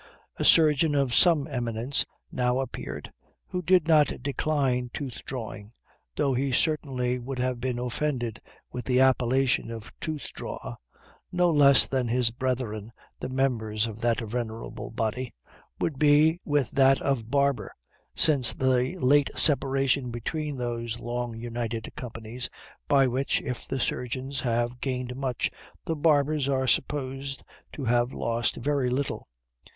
A surgeon of some eminence now appeared, who did not decline tooth drawing, though he certainly would have been offended with the appellation of tooth drawer no less than his brethren, the members of that venerable body, would be with that of barber, since the late separation between those long united companies, by which, if the surgeons have gained much, the barbers are supposed to have lost very little.